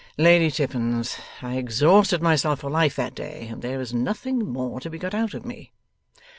'Lady Tippins, I exhausted myself for life that day, and there is nothing more to be got out of me.